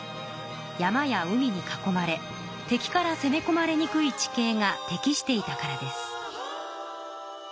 山や海に囲まれ敵からせめこまれにくい地形が適していたからです。